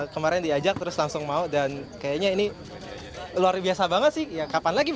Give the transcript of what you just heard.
kepala negara yang menentukan the nation games died open home biasa menghadetskan atau tidak